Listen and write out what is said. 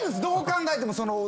どう考えても。